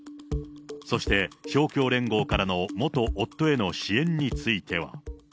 そして勝共連合からの元夫への支援については。